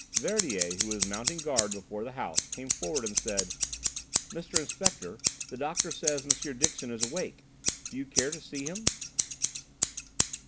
Verdier, who was mounting guard before the house, came forward and said: "Mr. Inspector, the doctor says M. Dixon is awake. Do you care to see him?"